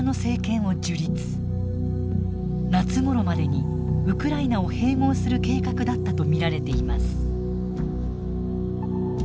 夏ごろまでにウクライナを併合する計画だったと見られています。